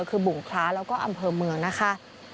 คือบุงคล้าแล้วก็อำเภอเมืองนะคะ